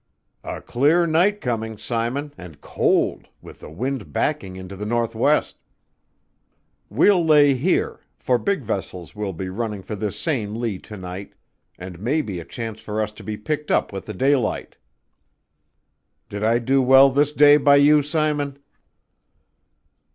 "A clear night coming, Simon; and cold, with the wind backing into the no'west. We'll lay here, for big vessels will be running for this same lee to night, and maybe a chance for us to be picked up with the daylight. Did I do well this day by you, Simon?"